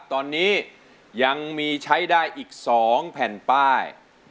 ตอนนี้ยังมีใช้ได้อีก๒แผ่นป้าย